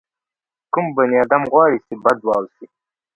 کوم بني ادم غواړي چې بد واوسي.